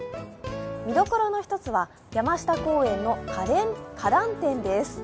見どころの１つは、山下公園の花壇展です。